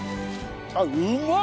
あっうまっ！